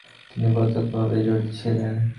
তিনি প্রত্যক্ষভাবে জড়িত ছিলেন।